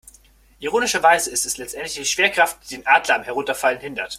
Ironischerweise ist es letztendlich die Schwerkraft, die den Adler am Herunterfallen hindert.